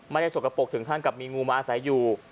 ไม่ได้สกปรกถึงท่านกลับมีงูมาอาศัยอยู่